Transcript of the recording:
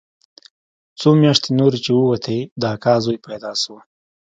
څو مياشتې نورې چې ووتې د اکا زوى پيدا سو.